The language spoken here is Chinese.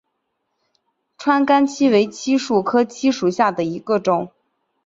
川甘槭为槭树科槭属下的一个种。